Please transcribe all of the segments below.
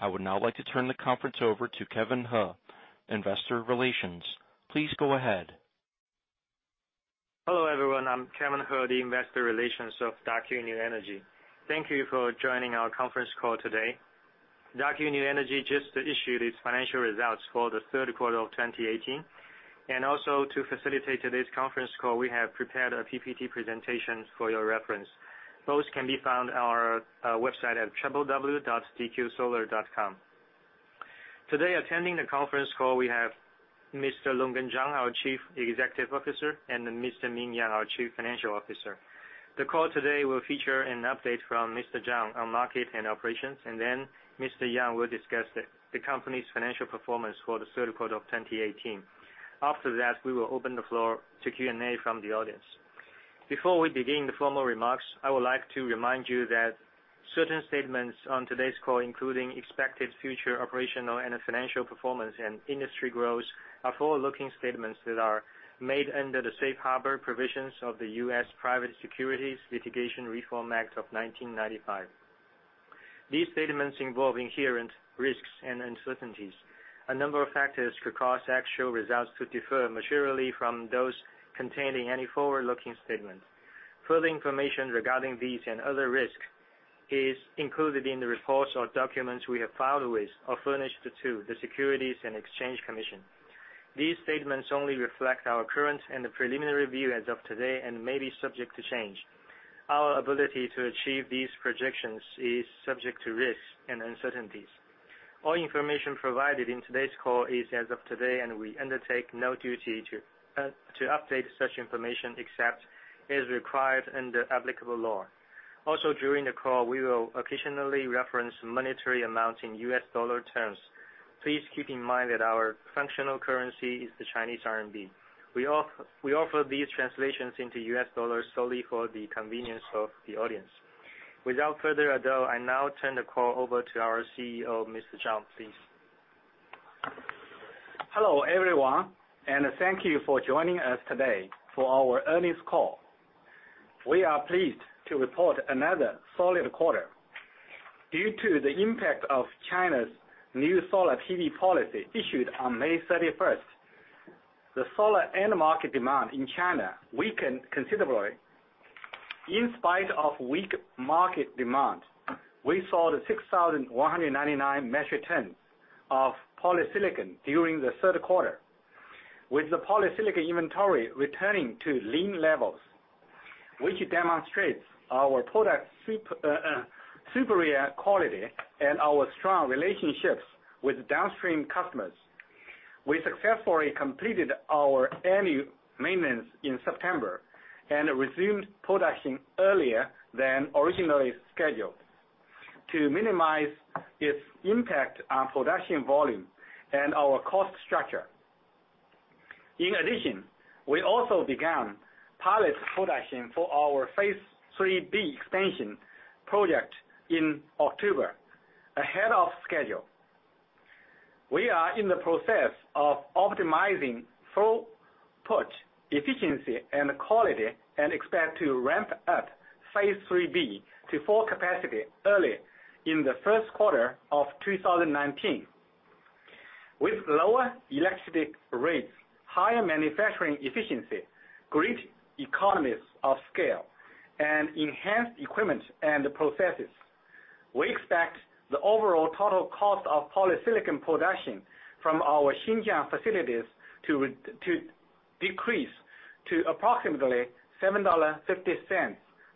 I would now like to turn the conference over to Kevin He, Investor Relations. Please go ahead. Hello, everyone. I'm Kevin He, the Investor Relations of Daqo New Energy. Thank you for joining our conference call today. Daqo New Energy just issued its financial results for the third quarter of 2018. Also, to facilitate today's conference call, we have prepared a PPT presentation for your reference. Those can be found on our website at www.dqsolar.com. Today, attending the conference call we have Mr. Longgen Zhang, our Chief Executive Officer, and Mr. Ming Yang, our Chief Financial Officer. The call today will feature an update from Mr. Zhang on market and operations. Then Mr. Yang will discuss the company's financial performance for the third quarter of 2018. After that, we will open the floor to Q&A from the audience. Before we begin the formal remarks, I would like to remind you that certain statements on today's call, including expected future operational and financial performance and industry growth, are forward-looking statements that are made under the safe harbor provisions of the U.S. Private Securities Litigation Reform Act of 1995. These statements involve inherent risks and uncertainties. A number of factors could cause actual results to differ materially from those containing any forward-looking statement. Further information regarding these and other risks is included in the reports or documents we have filed with or furnished to the Securities and Exchange Commission. These statements only reflect our current and the preliminary view as of today and may be subject to change. Our ability to achieve these projections is subject to risks and uncertainties. All information provided in today's call is as of today, and we undertake no duty to update such information except as required under applicable law. Also, during the call, we will occasionally reference monetary amounts in U.S. dollar terms. Please keep in mind that our functional currency is the Chinese RMB. We offer these translations into U.S. dollars solely for the convenience of the audience. Without further ado, I now turn the call over to our CEO, Mr. Zhang, please. Hello, everyone, and thank you for joining us today for our earnings call. We are pleased to report another solid quarter. Due to the impact of China's new solar PV policy issued on May 31st, the solar end market demand in China weakened considerably. In spite of weak market demand, we sold 6,199 metric tons of polysilicon during the third quarter. With the polysilicon inventory returning to lean levels, which demonstrates our product superior quality and our strong relationships with downstream customers. We successfully completed our annual maintenance in September and resumed production earlier than originally scheduled to minimize its impact on production volume and our cost structure. We also began pilot production for our phase III-B expansion project in October, ahead of schedule. We are in the process of optimizing throughput efficiency and quality and expect to ramp up phase III-B to full capacity early in the first quarter of 2019. With lower electric rates, higher manufacturing efficiency, great economies of scale, and enhanced equipment and processes, we expect the overall total cost of polysilicon production from our Xinjiang facilities to decrease to approximately $7.50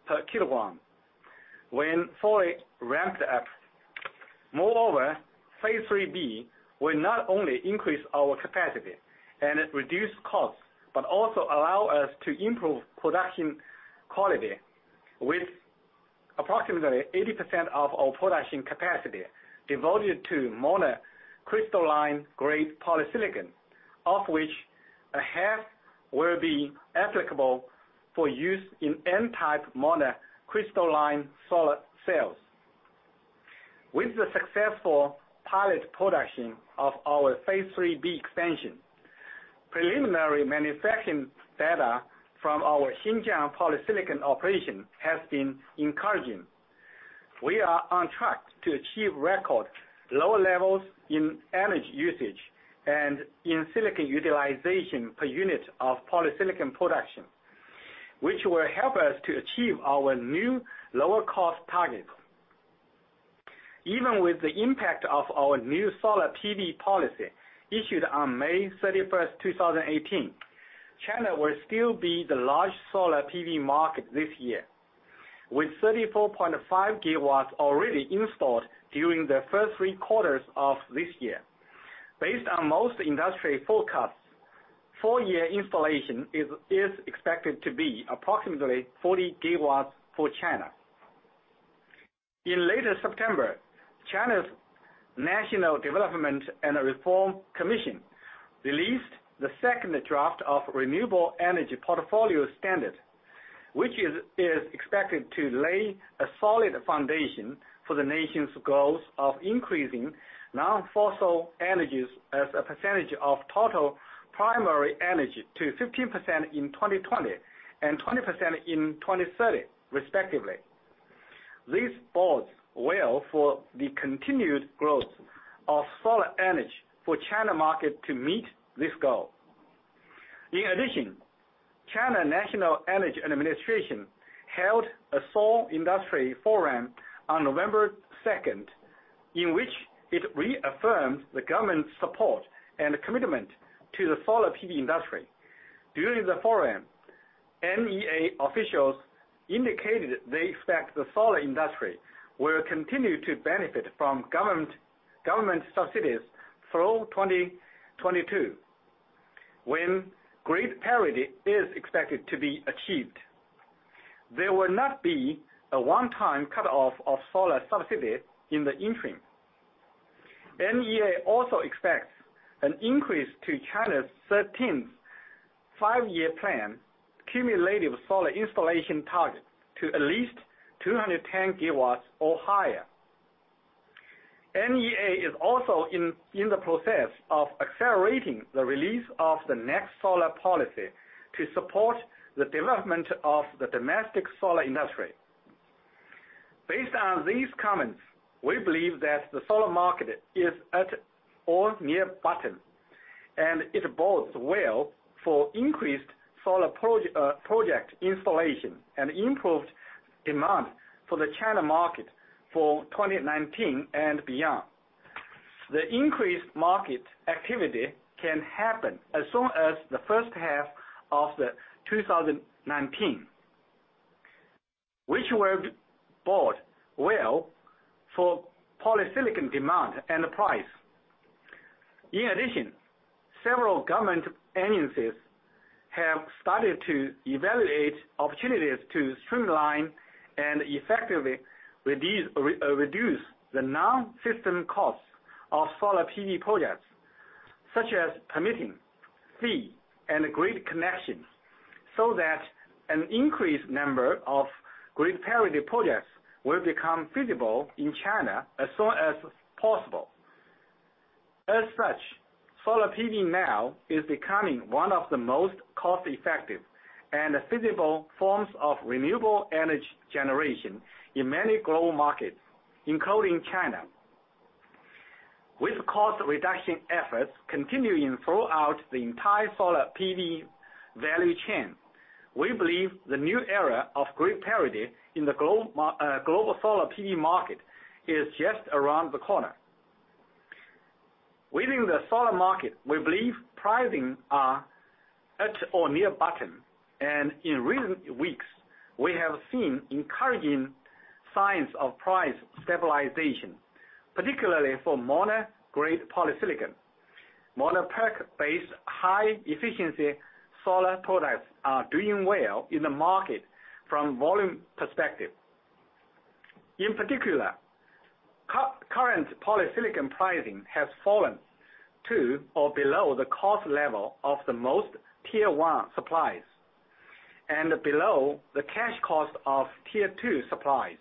per kilogram when fully ramped up. Moreover, phase III-B will not only increase our capacity and reduce costs, but also allow us to improve production quality with approximately 80% of our production capacity devoted to monocrystalline-grade polysilicon, of which half will be applicable for use in N-type monocrystalline solar cells. With the successful pilot production of our phase III-B expansion, preliminary manufacturing data from our Xinjiang polysilicon operation has been encouraging. We are on track to achieve record low levels in energy usage and in silicon utilization per unit of polysilicon production, which will help us to achieve our new lower cost targets. Even with the impact of our new solar PV policy issued on May 31, 2018, China will still be the largest solar PV market this year, with 34.5 GW already installed during the first three quarters of this year. Based on most industry forecasts. Full year installation is expected to be approximately 40 GW for China. In late September, China's National Development and Reform Commission released the second draft of Renewable Portfolio Standard, which is expected to lay a solid foundation for the nation's goals of increasing non-fossil energies as a percentage of total primary energy to 15% in 2020, and 20% in 2030, respectively. This bodes well for the continued growth of solar energy for China market to meet this goal. In addition, National Energy Administration held a Solar Industry Forum on November 2, in which it reaffirmed the government's support and commitment to the solar PV industry. During the forum, NEA officials indicated they expect the solar industry will continue to benefit from government subsidies through 2022, when grid parity is expected to be achieved. There will not be a one-time cutoff of solar subsidies in the interim. NEA also expects an increase to China's 13th Five-Year Plan cumulative solar installation target to at least 210 GW or higher. NEA is also in the process of accelerating the release of the next solar policy to support the development of the domestic solar industry. Based on these comments, we believe that the solar market is at or near bottom, and it bodes well for increased solar project installation and improved demand for the China market for 2019 and beyond. The increased market activity can happen as soon as the first half of 2019, which will bode well for polysilicon demand and price. In addition, several government agencies have started to evaluate opportunities to streamline and effectively reduce the non-system costs of solar PV projects, such as permitting fee and grid connections, so that an increased number of grid parity projects will become feasible in China as soon as possible. As such, solar PV now is becoming one of the most cost-effective and feasible forms of renewable energy generation in many growth markets, including China. With cost reduction efforts continuing throughout the entire solar PV value chain, we believe the new era of grid parity in the global solar PV market is just around the corner. Within the solar market, we believe pricing are at or near bottom, and in recent weeks, we have seen encouraging signs of price stabilization, particularly for monocrystalline-grade polysilicon. mono PERC-based high-efficiency solar products are doing well in the market from volume perspective. In particular, current polysilicon pricing has fallen to or below the cost level of the most Tier 1 suppliers, and below the cash cost of Tier 2 suppliers.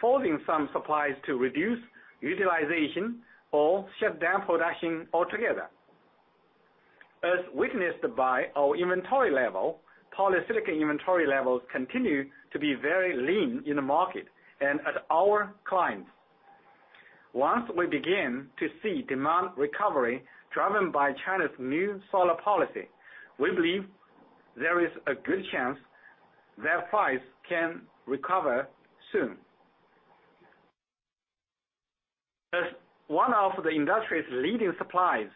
Forcing some suppliers to reduce utilization or shut down production altogether. As witnessed by our inventory level, polysilicon inventory levels continue to be very lean in the market and at our clients. Once we begin to see demand recovery driven by China's new solar policy, we believe there is a good chance that price can recover soon. As one of the industry's leading suppliers,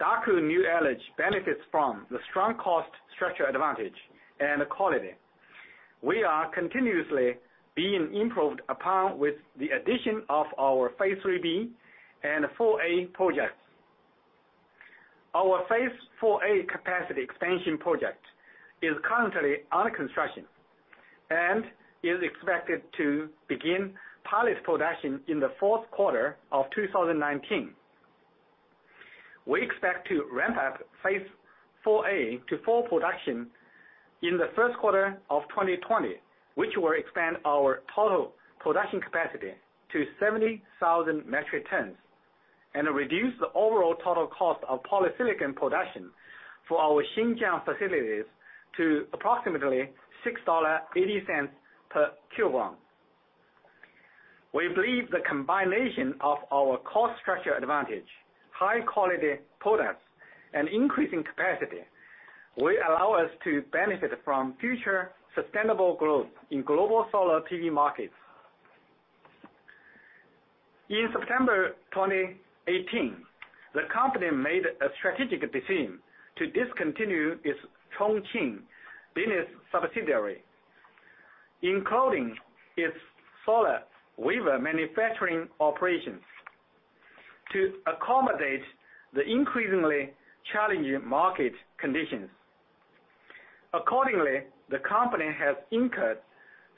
Daqo New Energy benefits from the strong cost structure advantage and quality. We are continuously being improved upon with the addition of our phase III-B and IV-A projects. Our phase IV-A capacity expansion project is currently under construction and is expected to begin polys production in the fourth quarter of 2019. We expect to ramp up phase IV-A to full production in the first quarter of 2020, which will expand our total production capacity to 70,000 metric tons and reduce the overall total cost of polysilicon production for our Xinjiang facilities to approximately $6.80 per kilogram. We believe the combination of our cost structure advantage, high-quality products, and increasing capacity will allow us to benefit from future sustainable growth in global solar PV markets. In September 2018, the company made a strategic decision to discontinue its Chongqing business subsidiary, including its solar wafer manufacturing operations to accommodate the increasingly challenging market conditions. Accordingly, the company has incurred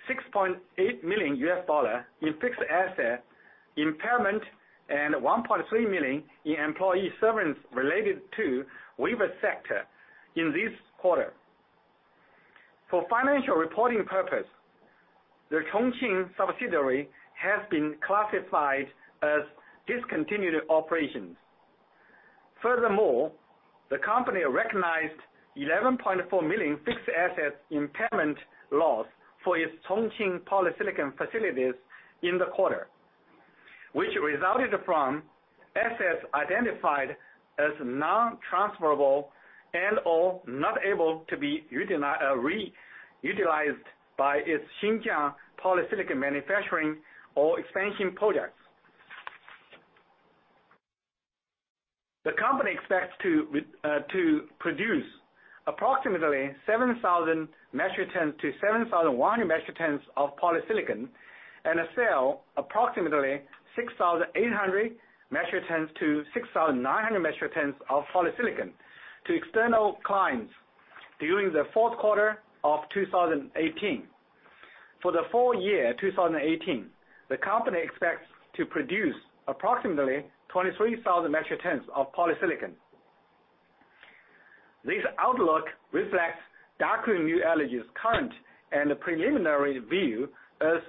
$6.8 million in fixed-asset impairment and $1.3 million in employee severance related to wafer sector in this quarter. For financial reporting purpose, the Chongqing subsidiary has been classified as discontinued operations. Furthermore, the company recognized $11.4 million fixed-asset impairment loss for its Chongqing polysilicon facilities in the quarter, which resulted from assets identified as non-transferable and/or not able to be reutilized by its Xinjiang polysilicon manufacturing or expansion projects. The company expects to produce approximately 7,000 metric tons to 7,100 metric tons of polysilicon and sell approximately 6,800 metric tons to 6,900 metric tons of polysilicon to external clients during the fourth quarter of 2018. For the full year 2018, the company expects to produce approximately 23,000 metric tons of polysilicon. This outlook reflects Daqo New Energy's current and preliminary view as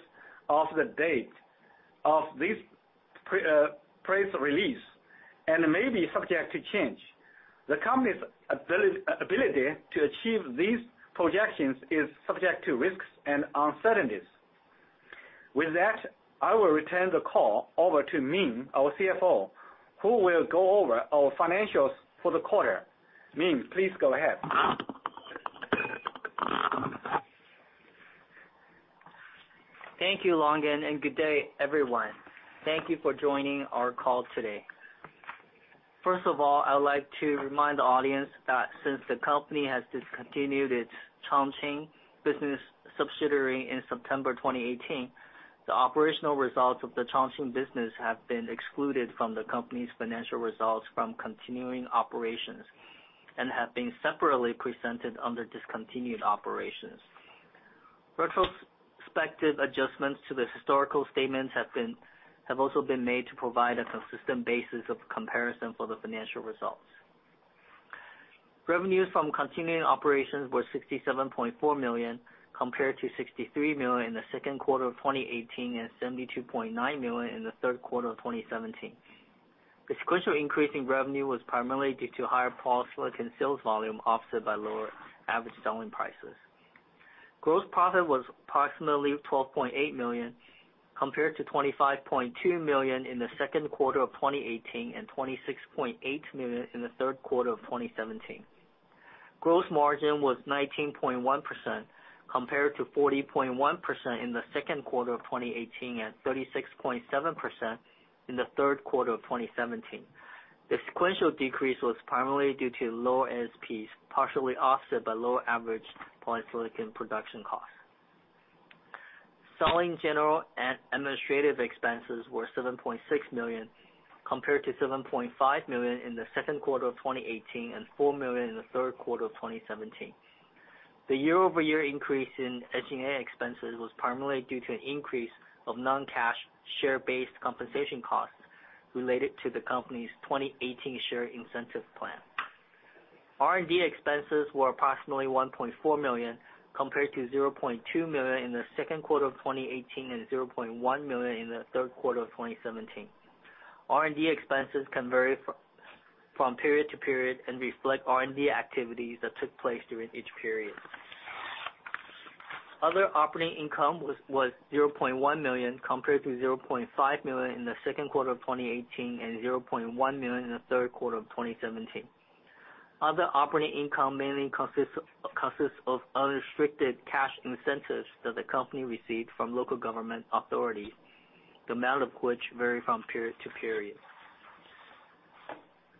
of the date of this press release and may be subject to change. The company's ability to achieve these projections is subject to risks and uncertainties. With that, I will return the call over to Ming, our CFO, who will go over our financials for the quarter. Ming, please go ahead. Thank you, Longgen, and good day, everyone. Thank you for joining our call today. First of all, I would like to remind the audience that since the company has discontinued its Chongqing business subsidiary in September 2018, the operational results of the Chongqing business have been excluded from the company's financial results from continuing operations and have been separately presented under discontinued operations. Retrospective adjustments to the historical statements have also been made to provide a consistent basis of comparison for the financial results. Revenues from continuing operations were 67.4 million, compared to 63 million in the second quarter of 2018 and 72.9 million in the third quarter of 2017. The sequential increase in revenue was primarily due to higher polysilicon sales volume, offset by lower average selling prices. Gross profit was approximately 12.8 million, compared to 25.2 million in the second quarter of 2018 and 26.8 million in the third quarter of 2017. Gross margin was 19.1%, compared to 40.1% in the second quarter of 2018 and 36.7% in the third quarter of 2017. The sequential decrease was primarily due to lower ASPs, partially offset by lower average polysilicon production costs. Selling, general, and administrative expenses were 7.6 million, compared to 7.5 million in the second quarter of 2018 and 4 million in the third quarter of 2017. The year-over-year increase in SG&A expenses was primarily due to an increase of non-cash share-based compensation costs related to the company's 2018 Share Incentive Plan. R&D expenses were approximately 1.4 million, compared to 0.2 million in the second quarter of 2018 and 0.1 million in the third quarter of 2017. R&D expenses can vary from period to period and reflect R&D activities that took place during each period. Other operating income was 0.1 million, compared to 0.5 million in the second quarter of 2018 and 0.1 million in the third quarter of 2017. Other operating income mainly consists of unrestricted cash incentives that the company received from local government authorities, the amount of which vary from period to period.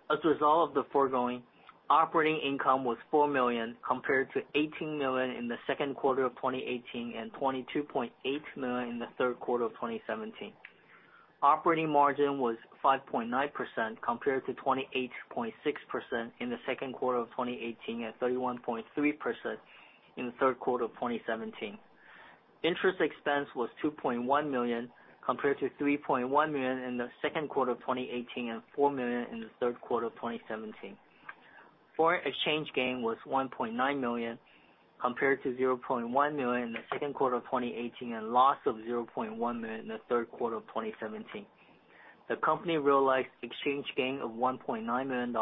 As a result of the foregoing, operating income was 4 million, compared to 18 million in the second quarter of 2018 and 22.8 million in the third quarter of 2017. Operating margin was 5.9%, compared to 28.6% in the second quarter of 2018 and 31.3% in the third quarter of 2017. Interest expense was RMB 2.1 million, compared to RMB 3.1 million in the second quarter of 2018 and RMB 4 million in the third quarter of 2017. Foreign exchange gain was RMB 1.9 million, compared to RMB 0.1 million in the second quarter of 2018 and loss of RMB 0.1 million in the third quarter of 2017. The company realized exchange gain of $1.9 million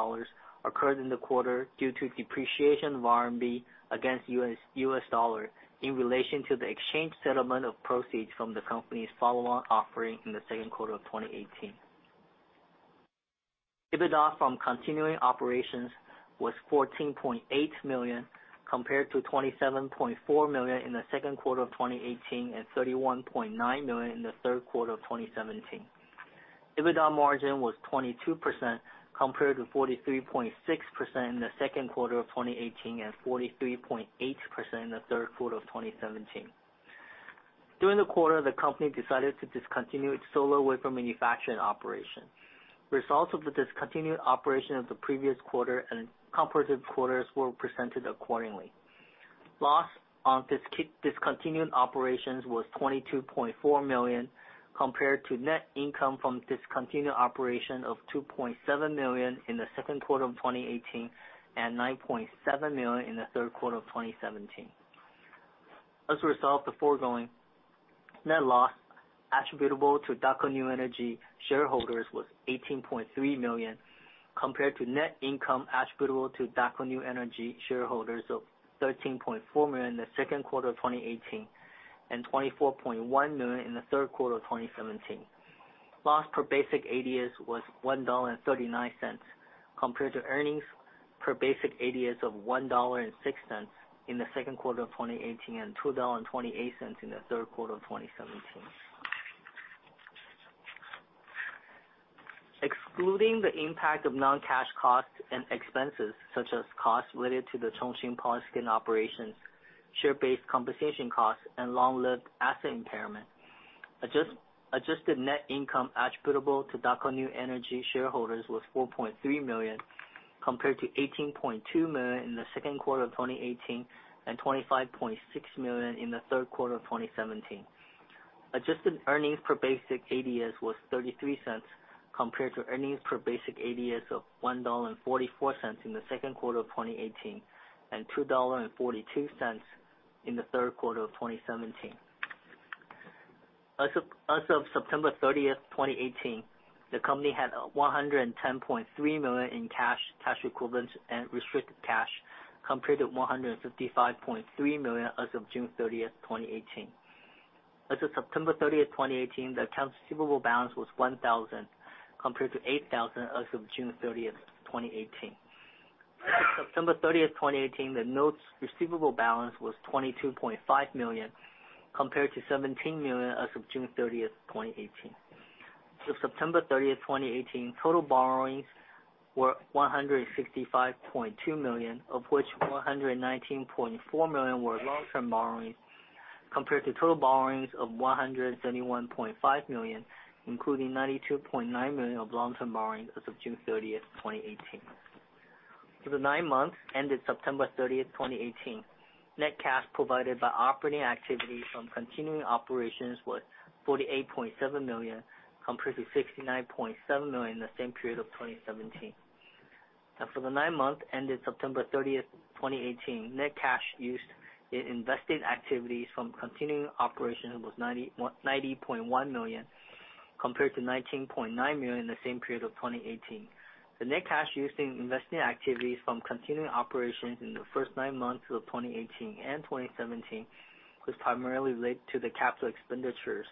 occurred in the quarter due to depreciation of RMB against U.S. dollar in relation to the exchange settlement of proceeds from the company's follow-on offering in the second quarter of 2018. EBITDA from continuing operations was 14.8 million, compared to 27.4 million in the second quarter of 2018 and 31.9 million in the third quarter of 2017. EBITDA margin was 22% compared to 43.6% in the second quarter of 2018 and 43.8% in the third quarter of 2017. During the quarter, the company decided to discontinue its solar wafer manufacturing operation. Results of the discontinued operation of the previous quarter and comparative quarters were presented accordingly. Loss on discontinued operations was 22.4 million compared to net income from discontinued operation of 2.7 million in the second quarter of 2018 and 9.7 million in the third quarter of 2017. As a result of the foregoing, net loss attributable to Daqo New Energy shareholders was $18.3 million compared to net income attributable to Daqo New Energy shareholders of $13.4 million in the second quarter of 2018 and $24.1 million in the third quarter of 2017. Loss per basic ADS was $1.39 compared to earnings per basic ADS of $1.06 in the second quarter of 2018 and $2.28 in the third quarter of 2017. Excluding the impact of non-cash costs and expenses such as costs related to the Chongqing polysilicon operations, share-based compensation costs, and long-lived asset impairment, adjusted net income attributable to Daqo New Energy shareholders was 4.3 million compared to 18.2 million in the second quarter of 2018 and 25.6 million in the third quarter of 2017. Adjusted earnings per basic ADS was $0.33 compared to earnings per basic ADS of $1.44 in the second quarter of 2018 and $2.42 in the third quarter of 2017. As of September 30, 2018, the company had 110.3 million in cash equivalents, and restricted cash compared to 155.3 million as of June 30, 2018. As of September 30, 2018, the accounts receivable balance was 1,000 compared to 8,000 as of June 30th, 2018. As of September 30, 2018, the notes receivable balance was 22.5 million compared to 17 million as of June 30th, 2018. As of September 30th, 2018, total borrowings were 165.2 million, of which 119.4 million were long-term borrowings compared to total borrowings of 171.5 million, including 92.9 million of long-term borrowings as of June 30, 2018. For the nine months ended September 30, 2018, net cash provided by operating activities from continuing operations was 48.7 million compared to 69.7 million in the same period of 2017. For the nine months ended September 30, 2018, net cash used in investing activities from continuing operations was 90.1 million compared to 19.9 million in the same period of 2018. The net cash used in investing activities from continuing operations in the first 9 months of 2018 and 2017 was primarily related to the capital expenditures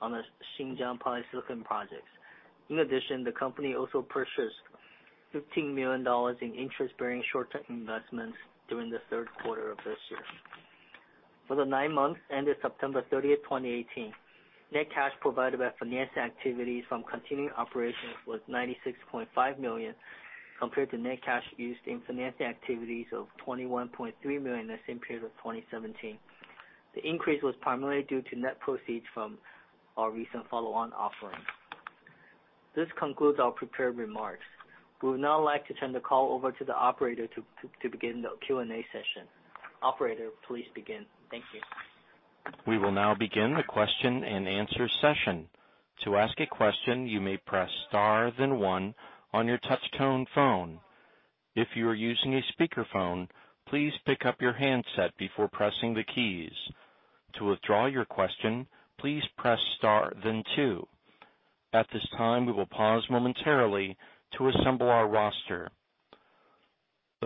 on the Xinjiang polysilicon projects. In addition, the company also purchased $15 million in interest-bearing short-term investments during the third quarter of this year. For the nine months ended September 30, 2018, net cash provided by financing activities from continuing operations was 96.5 million compared to net cash used in financing activities of 21.3 million in the same period of 2017. The increase was primarily due to net proceeds from our recent follow-on offering. This concludes our prepared remarks. We would now like to turn the call over to the operator to begin the Q&A session. Operator, please begin. Thank you. We will now begin the question-and-answer session. The first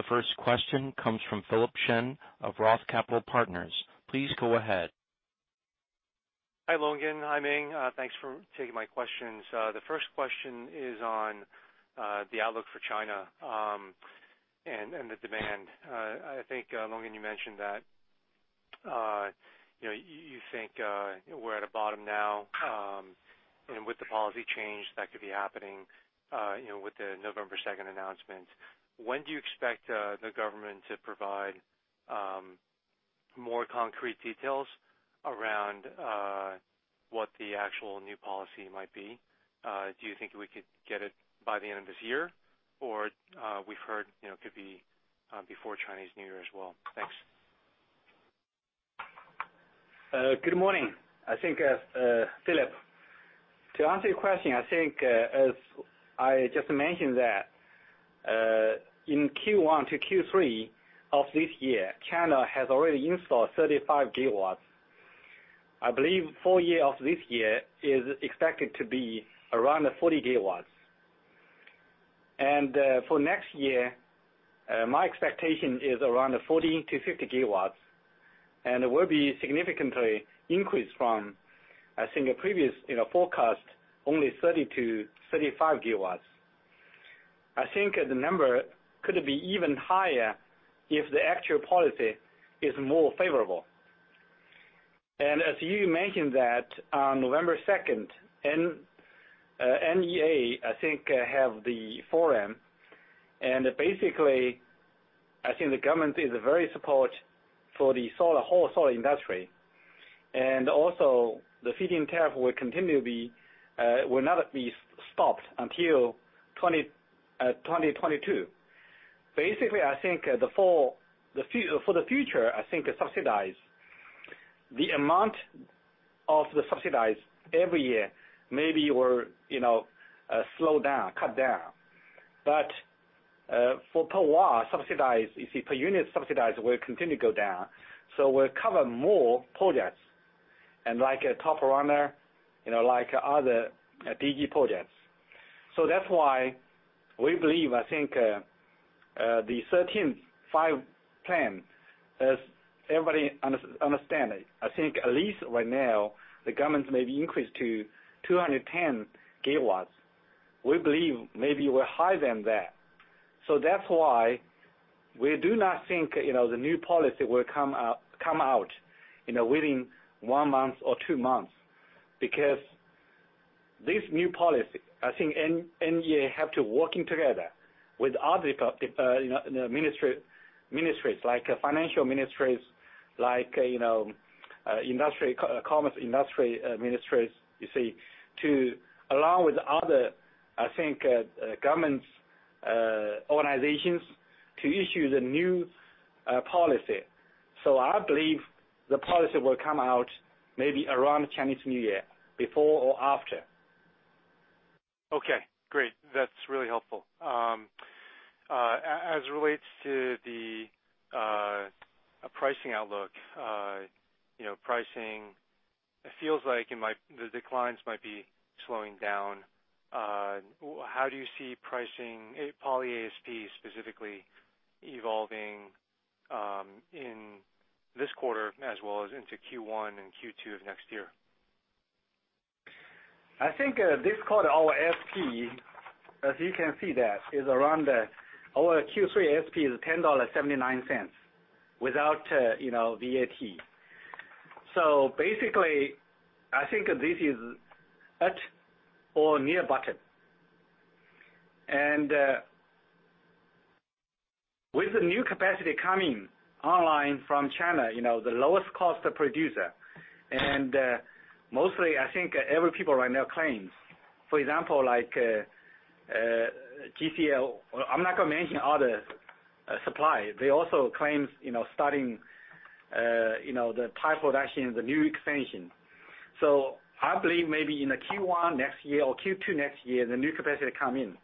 question comes from Philip Shen of ROTH Capital Partners. Please go ahead. Hi, Longgen. Hi, Ming. Thanks for taking my questions. The first question is on the outlook for China and the demand. I think Longgen, you mentioned that, you know, you think we're at a bottom now, and with the policy change that could be happening, you know, with the November 2nd announcement. When do you expect the government to provide more concrete details around what the actual new policy might be? Do you think we could get it by the end of this year? We've heard, you know, it could be before Chinese New Year as well. Thanks. Good morning. I think, Philip, to answer your question, I think, as I just mentioned that, in Q1 to Q3 of this year, China has already installed 35 GW. I believe full year of this year is expected to be around 40 GW. For next year, my expectation is around 40-50 GW, and it will be significantly increased from, I think, a previous, you know, forecast only 30-35 GW. I think the number could be even higher if the actual policy is more favorable. As you mentioned that on November 2, NEA, I think, have the forum. Basically, I think the government is very support for the solar, whole solar industry. Also the feed-in tariff will continue to be, will not be stopped until 2022. Basically, I think for the future, I think subsidize. The amount of the subsidize every year maybe will, you know, slow down, cut down. For per watt subsidize, you see, per unit subsidize will continue to go down. We'll cover more projects and like a Top Runner, you know, like other DG projects. That's why we believe, I think, the 13th Five-Year Plan, as everybody understand it, I think at least right now the government may be increased to 210 GW. We believe maybe we're higher than that. That's why we do not think, you know, the new policy will come out, you know, within one month or two months. This new policy, I think NEA have to working together with other, you know, ministries, like financial ministries, like, you know, industry, co-commerce industry, ministries, you see, to along with other, I think, governments, organizations to issue the new policy. I believe the policy will come out maybe around Chinese New Year, before or after. Okay, great. That's really helpful. As it relates to the pricing outlook, you know, pricing, it feels like the declines might be slowing down. How do you see pricing, poly ASP specifically evolving, in this quarter as well as into Q1 and Q2 of next year? I think this quarter our ASP, as you can see that, is around, our Q3 ASP is $10.79 without, you know, VAT. Basically, I think this is at or near bottom. With the new capacity coming online from China, you know, the lowest cost producer, and mostly I think every people right now claims, for example, like GCL. I'm not gonna mention other supplier. They also claims, you know, starting, you know, the pilot production, the new expansion. I believe maybe in the Q1 next year or Q2 next year, the new capacity come in.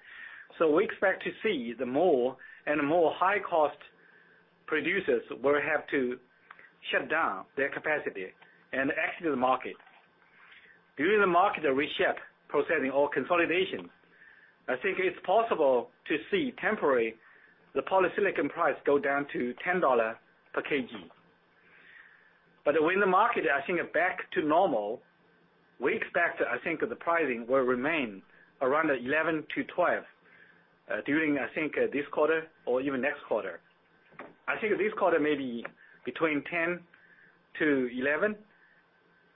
We expect to see the more and more high-cost producers will have to shut down their capacity and exit the market. During the market reshaped proceeding or consolidation, I think it's possible to see temporary the polysilicon price go down to $10 per kg. When the market, I think back to normal, we expect, I think, the pricing will remain around $11-$12 during, I think, this quarter or even next quarter. I think this quarter may be between $10-$11.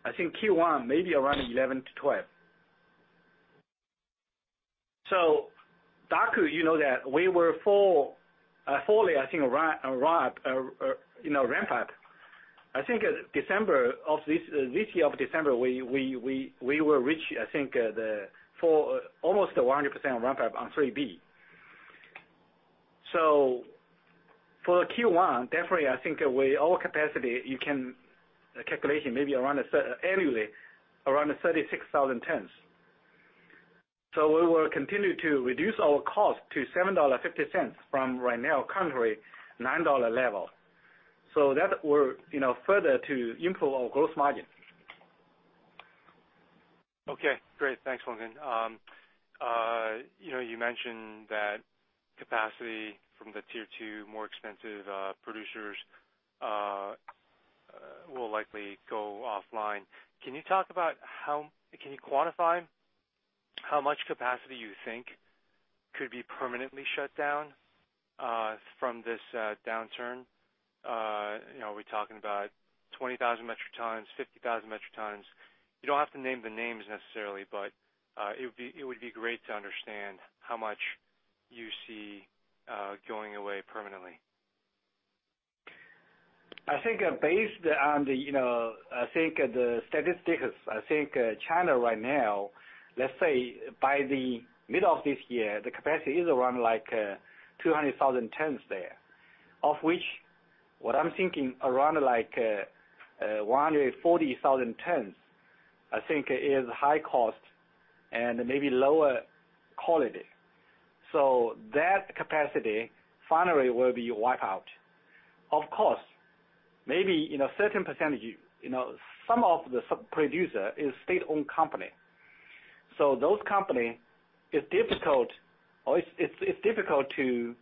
I think Q1 may be around $11-$12. Daqo, you know that we were fully, I think, ramped up. I think December of this year of December, we will reach, I think, the for almost 100% ramp up on phase III-B. For Q1, definitely, I think with our capacity, you can calculate maybe annually, around 36,000 tons. We will continue to reduce our cost to $7.50 from right now currently $9 level. That will, you know, further to improve our gross margin. Okay, great. Thanks, Longgen. you know, you mentioned that capacity from the tier 2 more expensive producers will likely go offline. Can you quantify how much capacity you think could be permanently shut down from this downturn? you know, are we talking about 20,000 metric tons, 50,000 metric tons? You don't have to name the names necessarily, but it would be great to understand how much you see going away permanently. I think, based on the, I think the statistics, China right now, let's say by the middle of this year, the capacity is around like 200,000 tons there, of which what I'm thinking around like 140,000 tons, I think is high cost and maybe lower quality. That capacity finally will be wiped out. Of course, maybe in a certain percentage, some of the sub producer is state-owned company. Those company is difficult or it's difficult to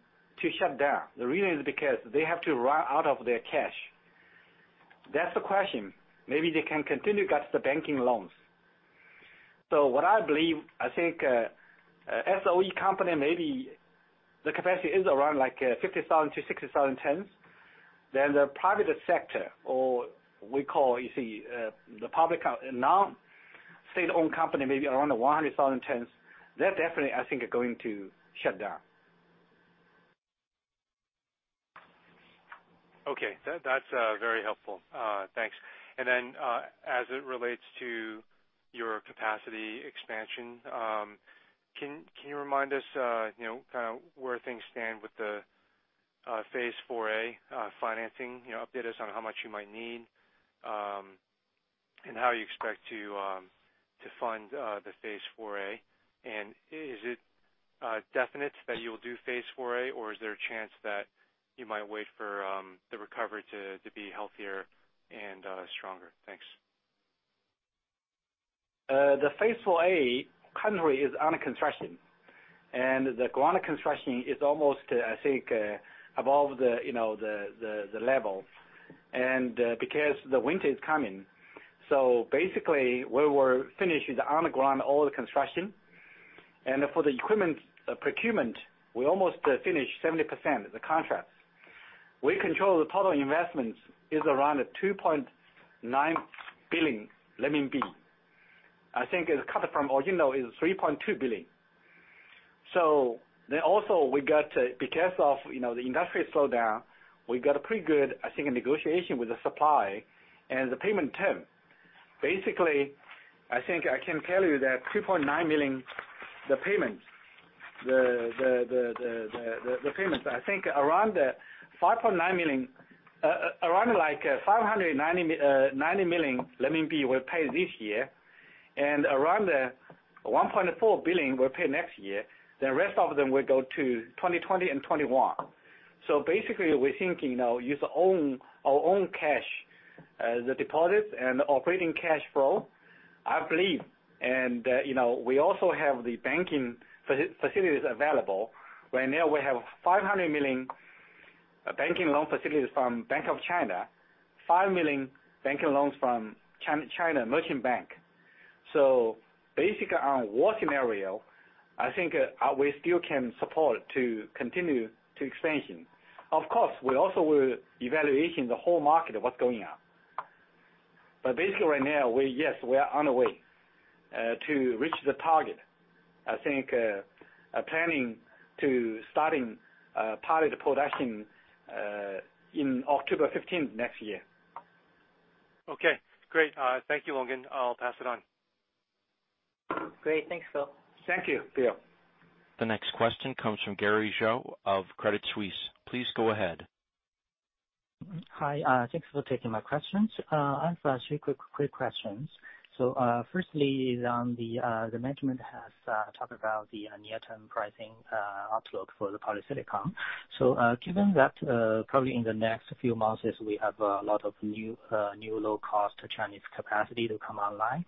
shut down. The reason is because they have to run out of their cash. That's the question. Maybe they can continue get the banking loans. What I believe, I think, SOE company, maybe the capacity is around like 50,000-60,000 tons. The private sector, or we call, you see, the public, non-state-owned company, maybe around 100,000 tons. They're definitely, I think, are going to shut down. Okay. That's very helpful. Thanks. Then, as it relates to your capacity expansion, can you remind us, you know, kind of where things stand with the phase IV-A financing? You know, update us on how much you might need and how you expect to fund the phase IV-A. Is it definite that you'll do phase IV-A or is there a chance that you might wait for the recovery to be healthier and stronger? Thanks. The phase IV-A currently is under construction. The ground construction is almost, I think, above the, you know, the level. Because the winter is coming. Basically, we will finish the underground oil construction. For the equipment procurement, we almost finished 70% the contracts. We control the total investments is around 2.9 billion. I think it's cut from original is 3.2 billion. Also, we got to Because of, you know, the industry slowdown, we got a pretty good, I think, negotiation with the supply and the payment term. Basically, I think I can tell you that 2.9 billion, the payments, I think around 590 million were paid this year, and around 1.4 billion were paid next year. The rest of them will go to 2020 and 2021. Basically, we're thinking now use our own cash, the deposits and operating cash flow, I believe. You know, we also have the banking facilities available, where now we have 500 million banking loan facilities from Bank of China, 5 million banking loans from China Merchants Bank. Basically, our worst scenario, I think, we still can support to continue to expansion. Of course, we also will evaluate the whole market of what's going on. Basically right now we are on the way to reach the target. I think we are planning to start poly production in October 15th next year. Okay, great. Thank you, Longgen. I'll pass it on. Great. Thanks, Phil. Thank you, Phil. The next question comes from Gary Zhou of Credit Suisse. Please go ahead. Hi. Thanks for taking my questions. I have three quick questions. Firstly is on the management has talked about the near-term pricing outlook for the polysilicon. Given that, probably in the next few months is we have a lot of new low-cost Chinese capacity to come online.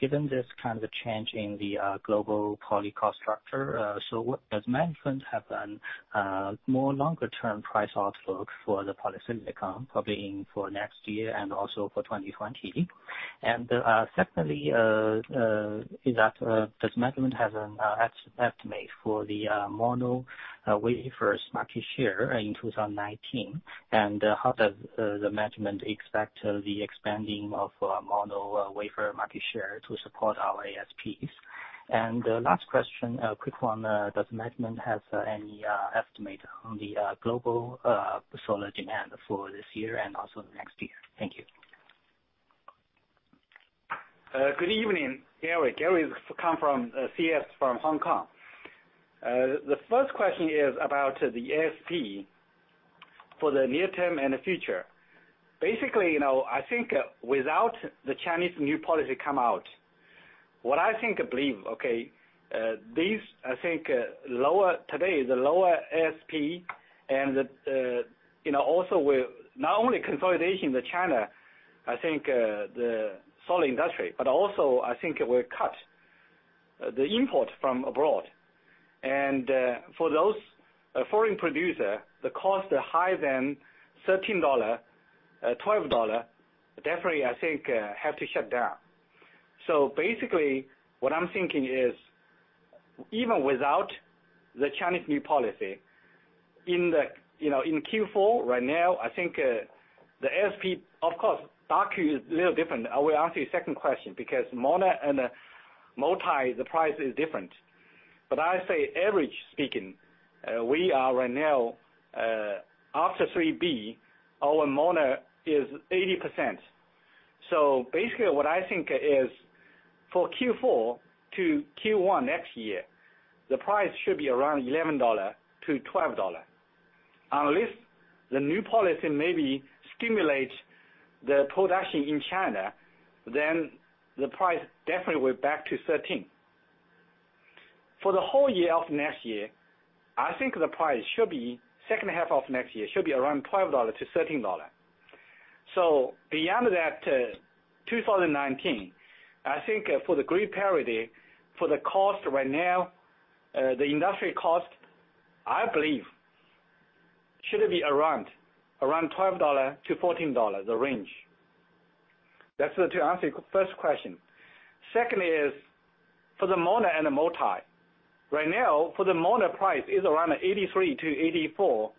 Given this kind of change in the global poly cost structure, what does management have an more longer-term price outlook for the polysilicon, probably in for next year and also for 2020? Secondly, is that, does management have an estimate for the mono wafers market share in 2019? How does the management expect the expanding of mono wafer market share to support our ASPs? Last question, a quick one, does management have any estimate on the global solar demand for this year and also next year? Thank you. Good evening, Gary. Gary Zhou from Credit Suisse from Hong Kong. The first question is about the ASP for the near term and the future. Basically, you know, without the Chinese new policy come out, what I believe, okay, these lower Today, the lower ASP and also will not only consolidation the China solar industry, but also will cut the import from abroad. For those foreign producer, the cost are higher than $13, $12, definitely have to shut down. Basically, what I'm thinking is even without the Chinese new policy in Q4 right now, the ASP. Of course, Daqo is a little different. I will ask you a second question because mono and multi, the price is different. I say average speaking, we are right now, after phase III-B, our mono is 80%. Basically what I think is for Q4 to Q1 next year, the price should be around $11-$12. Unless the new policy maybe stimulates the production in China, then the price definitely will back to $13. For the whole year of next year, I think the price should be, second half of next year, should be around $12-$13. Beyond that, 2019, I think for the grid parity, for the cost right now, the industry cost, I believe should be around $12-$14, the range. That's to answer your first question. Second is for the mono and the multi. For the mono price is around 83-84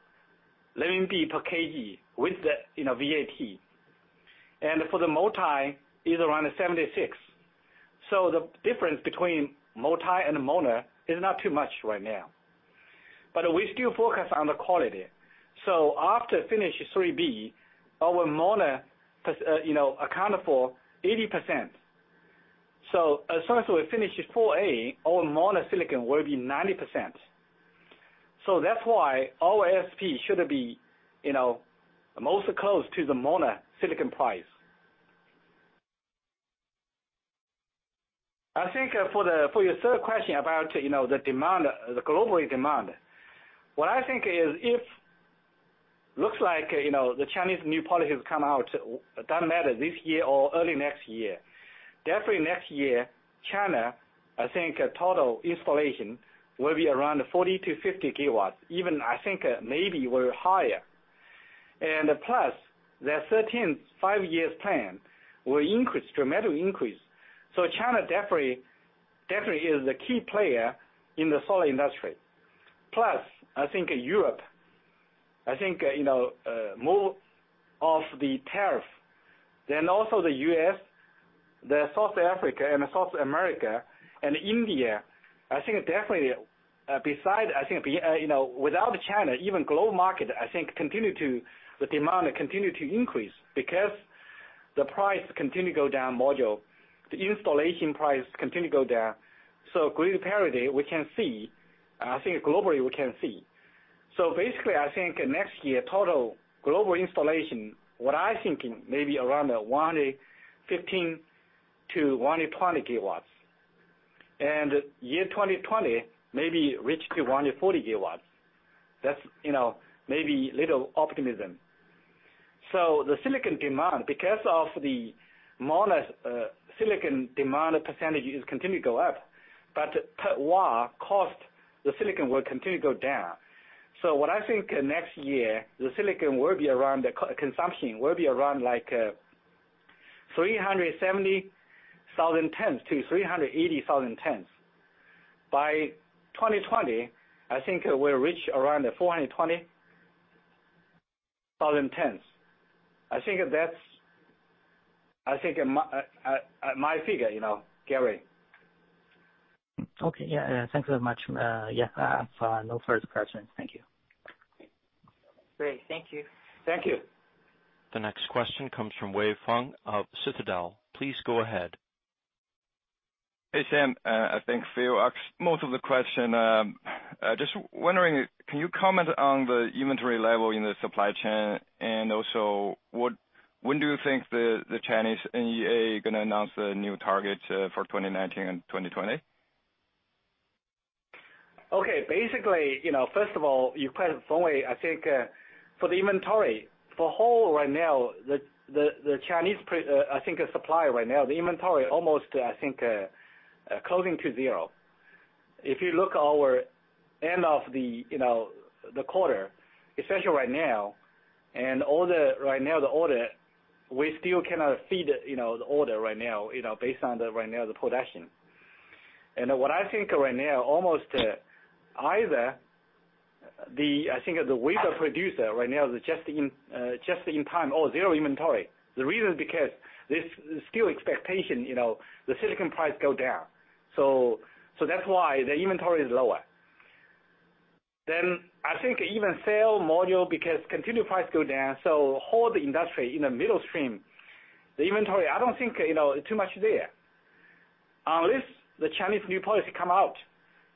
RMB per kg with the, you know, VAT. For the multi is around 76. The difference between multi and mono is not too much right now. We still focus on the quality. After finish III-B, our mono has, you know, accounted for 80%. As soon as we finish IV-A, our mono silicon will be 90%. That's why our ASP should be, you know, most close to the mono silicon price. I think, for the, for your third question about, you know, the demand, the global demand. What I think is if looks like, you know, the Chinese new policy has come out, it doesn't matter this year or early next year. Definitely next year, China, I think total installation will be around 40-50 GW. Even I think maybe were higher. Their 13th Five-Year Plan will increase, dramatically increase. China definitely is the key player in the solar industry. Europe, more of the tariff. Also the U.S., South Africa, and South America, and India, without China, even global market, the demand continue to increase because the price continue go down module. The installation price continue go down. Grid parity we can see, globally we can see. Next year, total global installation, what I thinking maybe around 115-120 GW. Year 2020 maybe reach to 140 GW. That's maybe little optimism. The silicon demand, because of the mono silicon demand percentage is continue go up, but per watt cost, the silicon will continue to go down. What I think next year, the silicon will be around the consumption will be around like 370,000 tons to 380,000 tons. By 2020, I think we'll reach around 420,000 tons. I think that's my figure, you know, Gary. Okay. Yeah. Thanks very much. I have no further questions. Thank you. Great. Thank you. Thank you. The next question comes from Wei Feng of Citadel. Please go ahead. Hey, Zhang. I think Phil asked most of the question. Just wondering, can you comment on the inventory level in the supply chain? Also, when do you think the Chinese NEA gonna announce the new targets for 2019 and 2020? Okay. Basically, you know, first of all, allow me, I think, for whole right now, the Chinese polysilicon, I think, supplier right now, the inventory almost, I think, closing to zero. If you look our end of the quarter, especially right now, all the right now the order, we still cannot fulfill, you know, the order right now, you know, based on the right now the production. What I think right now, almost, either the, I think, the wafer producer right now is just in time or zero inventory. The reason because there's still expectation, you know, the silicon price go down. That's why the inventory is lower I think even cell module because continue price go down, so whole the industry in the middle stream, the inventory, I don't think, you know, too much there. Unless the Chinese new policy come out,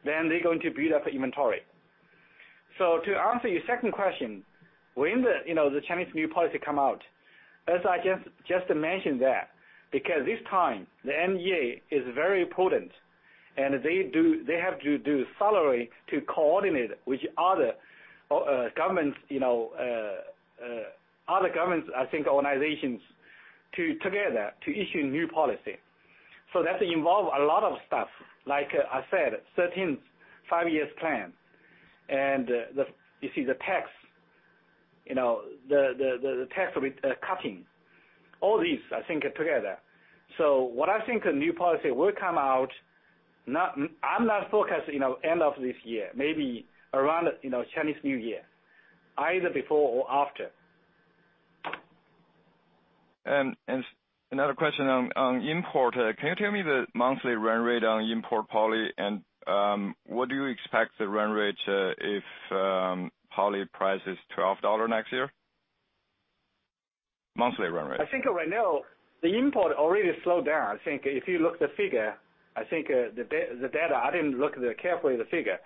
then they're going to build up inventory. To answer your second question, when the, you know, the Chinese new policy come out? As I just mentioned that, because this time the NEA is very potent, and they have to do solidly to coordinate with other governments, you know, other governments, I think, organizations together to issue new policy. That involve a lot of stuff. Like I said, 13th Five-Year Plan. You see the tax, you know, the, the tax with cutting. All these I think together. What I think a new policy will come out, I'm not focused, you know, end of this year, maybe around, you know, Chinese New Year, either before or after. Another question on import. Can you tell me the monthly run rate on import poly, and what do you expect the run rate, if poly price is RMB 12 next year? Monthly run rate. I think right now the import already slowed down. I think if you look the figure, I think, the data, I didn't look the carefully the figure.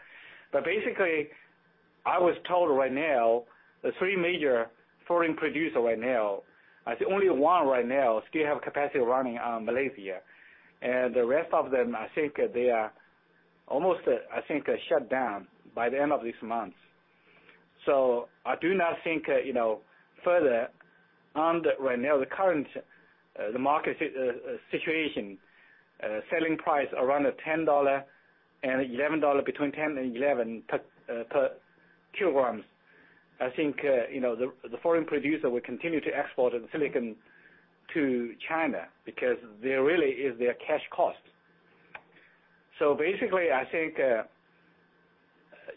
Basically, I was told right now the three major foreign producer right now, I think only one right now still have capacity running on Malaysia. The rest of them, I think they are almost, I think, shut down by the end of this month. I do not think, you know, further on the right now the current, the market situation, selling price around RMB 10 and RMB 11, between 10 and 11 per kilograms. I think, you know, the foreign producer will continue to export the silicon to China because there really is their cash cost. Basically I think,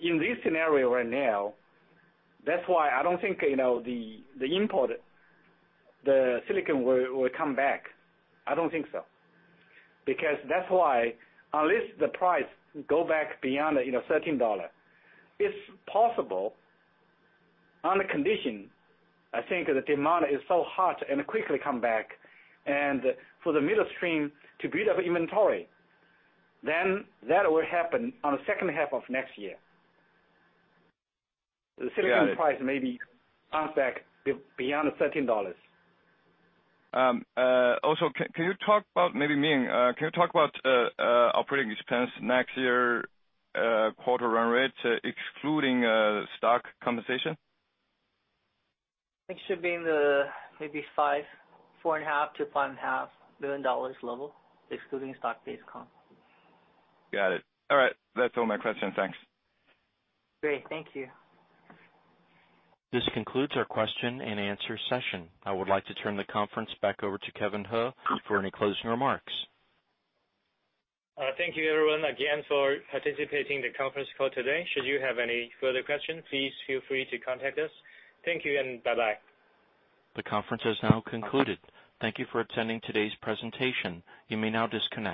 in this scenario right now, that's why I don't think, you know, the import, the silicon will come back. I don't think so. Because that's why unless the price go back beyond, you know, $13, it's possible on the condition, I think the demand is so hot and quickly come back, and for the middle stream to build up inventory, then that will happen on the second half of next year. Got it. The silicon price maybe bounce back beyond RMB 13. Can you talk about maybe Ming, can you talk about operating expense next year, quarter run rate, excluding stock compensation? It should be in the maybe $4.5 million-$5.5 million level, excluding stock-based comp. Got it. All right. That's all my questions. Thanks. Great. Thank you. This concludes our question and answer session. I would like to turn the conference back over to Kevin He for any closing remarks. Thank you everyone again for participating the conference call today. Should you have any further question, please feel free to contact us. Thank you and bye-bye. The conference is now concluded. Thank you for attending today's presentation. You may now disconnect.